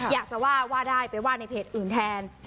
อยากจะว่าว่าได้ไปว่าในเพจอื่นแทน